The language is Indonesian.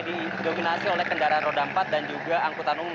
didominasi oleh kendaraan roda empat dan juga angkutan umum